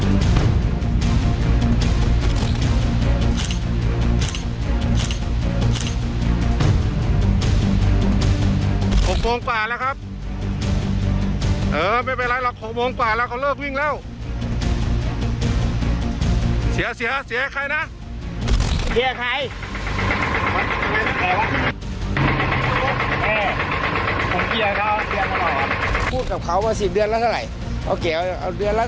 หมอเม้นที่เกี่ยวมันพบสภาพร้อมประโยชน์